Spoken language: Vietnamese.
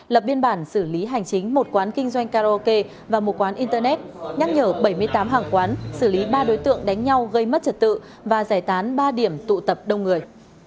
lập biên bản xử lý hành chính một quán kinh doanh karaoke và một quán internet nhắc nhở bảy mươi tám hàng quán xử lý ba đối tượng đánh nhau gây mất trật tự và giải tán ba điểm tụ tập đông người